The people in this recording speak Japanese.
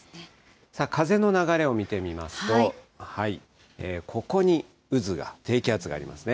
風の流れを見てみますと、ここに渦が、低気圧がありますね。